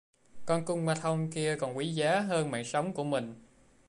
Con kumanthong kia còn quý giá hơn chính mạng Sống Của mình